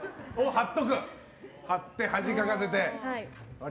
貼って、恥をかかせて。